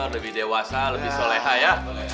lebih dewasa lebih soleha ya